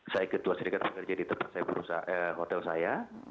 saya ketua serikat pekerja di tempat hotel saya